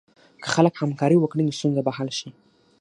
که خلک همکاري وکړي، نو ستونزه به حل شي.